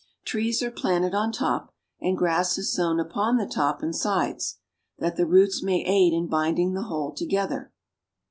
Trees are planted on top, and grass is sown upon the top and sides, that the roots may aid in binding the whole together.